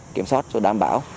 kiểm soát đảm bảo